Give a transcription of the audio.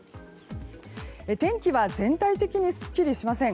天気は全体的にすっきりしません。